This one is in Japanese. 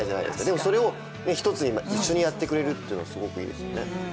でも、１つに一緒にやってくれるというのはすごくいいですよね。